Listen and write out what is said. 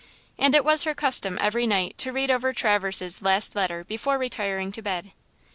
And it was her custom every night to read over Traverse's last letter before retiring to bed.